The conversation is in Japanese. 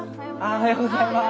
おはようございます。